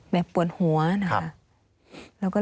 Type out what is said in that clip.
แบบปวดหัวนะครับ